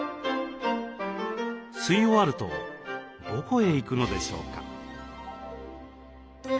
吸い終わるとどこへ行くのでしょうか？